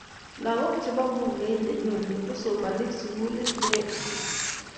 Lakok che bo mbungeit ne nyone kosomonik sukulit ne oo ochei.